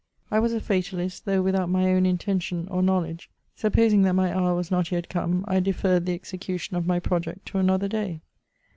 I was a fatalist, though without my ovm intention or knowledge ; supposing that my hour was not yet come, I deferred the execu tion of my project to another day.